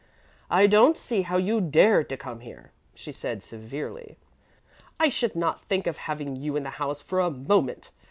'I don't see how you dared to come here,' she said severely. 'I should not think of having you in the house for a moment.